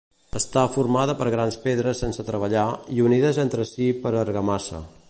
Està formada per grans pedres sense treballar i unides entre si per argamassa.